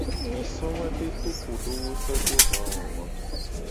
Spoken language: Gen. Mi so woabe topodowo so do dowowome.